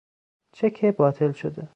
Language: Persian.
چک باطل شده